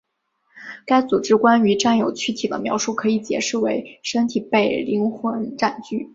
该组织关于占有躯体的描述可以解释为身体被灵魂占据。